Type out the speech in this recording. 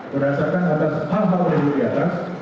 berdasarkan atas hal hal yang hidup di atas